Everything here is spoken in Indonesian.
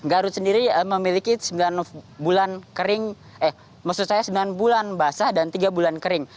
garut sendiri memiliki sembilan bulan kering eh maksud saya sembilan bulan basah dan tiga bulan kering